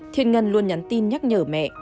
thiên ngân luôn nhắn tin nhắc nhở mẹ